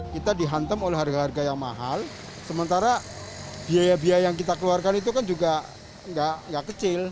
kita dihantam oleh harga harga yang mahal sementara biaya biaya yang kita keluarkan itu kan juga nggak kecil